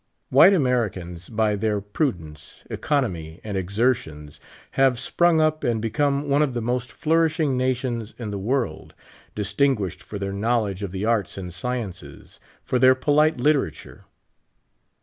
White Americans, by their prudence, economy, and exertions, have sprung up and become one of the most flourishing nations in the world, distinguished for their knowledge of the arts and sciences, for their polite literature.